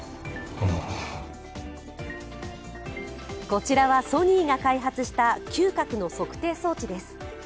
こちらはソニーが開発した嗅覚の測定装置です。